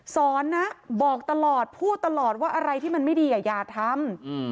สอนนะบอกตลอดพูดตลอดว่าอะไรที่มันไม่ดีอย่าทำ